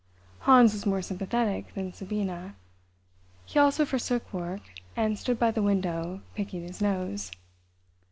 Hans was more sympathetic than Sabina. He also forsook work, and stood by the window, picking his nose.